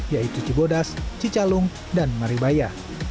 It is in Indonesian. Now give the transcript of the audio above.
yaitu cibodas cicalung dan maribaya